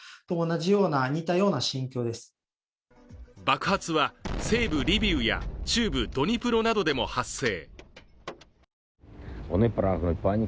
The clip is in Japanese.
爆発は、西部リビウや中部ドニプロなどでも発生。